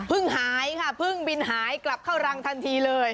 หายค่ะเพิ่งบินหายกลับเข้ารังทันทีเลย